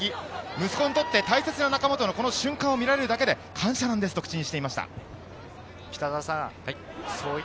息子にとって大切な仲間との瞬間を見られるだけで感謝ですと話していました。